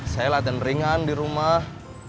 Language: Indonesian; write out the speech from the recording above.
saya latihan ringan di rumah